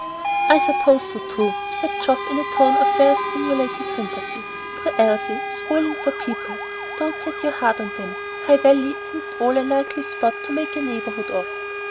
"I suppose so, too," said Geoff in a tone of well simulated sympathy. "Poor Elsie, spoiling for people! Don't set your heart on them. High Valley isn't at all a likely spot to make a neighborhood of."